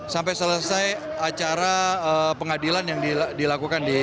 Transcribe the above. sampai selesai acara pengadilan yang dilakukan di